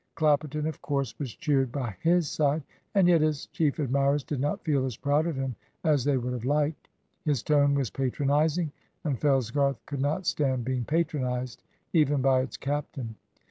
Clapperton, of course, was cheered by his side; and yet his chief admirers did not feel as proud of him as they would have liked. His tone was patronising, and Fellsgarth could not stand being patronised, even by its captain.